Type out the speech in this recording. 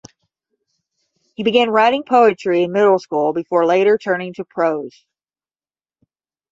He began writing poetry in middle school before later turning to prose.